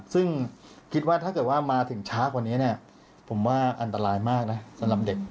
ซึ่งคิดว่าถ้าเกิดว่ามาถึงช้ากว่านี้เนี่ยผมว่าอันตรายมากนะสำหรับเด็ก